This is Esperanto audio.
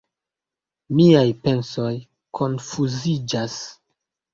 Miaj pensoj konfuziĝas.